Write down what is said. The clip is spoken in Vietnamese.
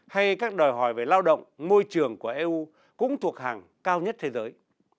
hay các đòi hỏi về lao động môi trường của eu cũng thuộc hàng cao nhất thế giới